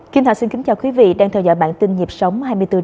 kinh thảo xin kính chào quý vị đang theo dõi bản tin nhịp sống hai mươi bốn bảy